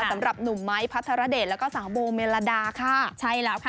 สำหรับหนุ่มไม้พัทรเดชแล้วก็สาวโบเมลดาค่ะใช่แล้วค่ะ